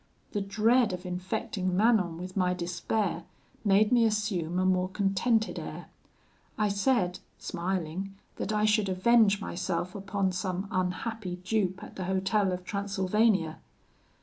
The dread of infecting Manon with my despair made me assume a more contented air. I said, smiling, that I should avenge myself upon some unhappy dupe at the hotel of Transylvania.